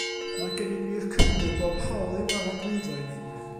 Mae gennym ni'r Cymry bob hawl i waradwyddo ein hunain.